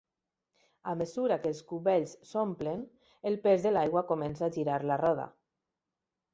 A mesura que els cubells s'omplen, el pes de l'aigua comença a girar la roda.